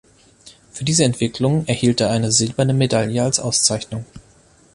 Für diese Entwicklung erhielt er eine silberne Medaille als Auszeichnung.